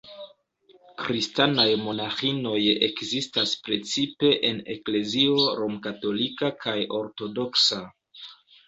Kristanaj monaĥinoj ekzistas precipe en eklezio romkatolika kaj ortodoksa.